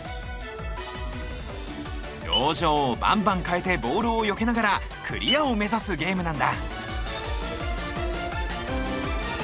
表情をバンバン変えてボールをよけながらクリアを目指すゲームなんだ！